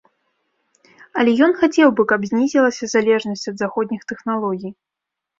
Але ён хацеў бы, каб знізілася залежнасць ад заходніх тэхналогій.